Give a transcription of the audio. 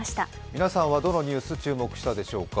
皆さんはどのニュース、注目したでしょうか。